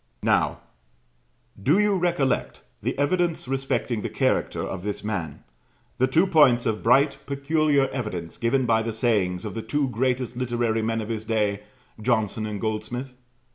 Now, do you recollect the evidence respecting the character of this man, the two points of bright peculiar evidence given by the sayings of the two greatest literary men of his day, Johnson and Goldsmith?